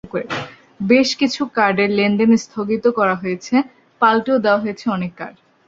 বেশ কিছু কার্ডের লেনদেন স্থগিত করা হয়েছে, পাল্টেও দেওয়া হয়েছে অনেক কার্ড।